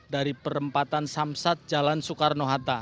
dari perempatan samsat jalan soekarno hatta